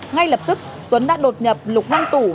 ngay lập tức tuấn đã đột nhập lục văn tủ